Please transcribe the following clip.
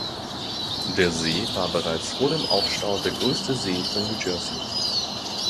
Der See war bereits vor dem Aufstau der größte See von New Jersey.